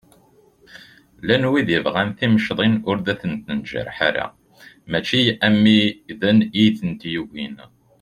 Llan widen i yebɣan timecḍin ur ten-njerreḥ ara mačči am widen i tent-yugin.